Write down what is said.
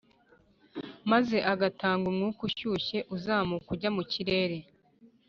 maze agatanga umwuka ushyushye uzamuka ujya mu kirere.